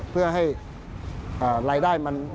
เพื่อให้รายได้มันไม่ได้เงิน